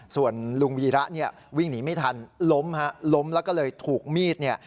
ส่วนลุงวีระเนี่ยวิ่งหนีไม่ทันล้มฮะล้มแล้วก็เลยถูกมีดเนี่ย